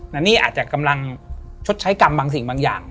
และนี่อาจจะกำลังชดใช้กรรมบางสิ่งบางอย่าง